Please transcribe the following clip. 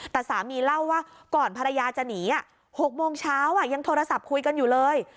แต่สามีเล่าว่าก่อนภรรยาจะหนี๖โมงเช้ายังโทรศัพท์คุยกันอยู่เลย